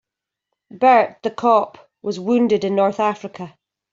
Bert the cop was wounded in North Africa.